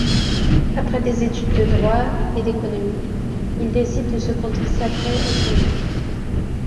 Après des études de droit et d'économie, il décide de se consacrer au cinéma.